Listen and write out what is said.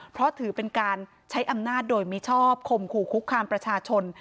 เพราะถือเป็นการใช้อำนาจโดยมิชอบคมขู่คุกคามประชาชน